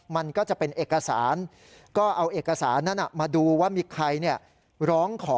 มันก็จะเป็นเอกสารก็เอาเอกสารนั้นมาดูว่ามีใครร้องขอ